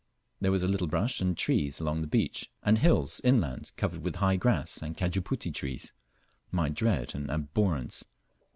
There was a little brush and trees along the beach, and hills inland covered with high grass and cajuputi trees my dread and abhorrence.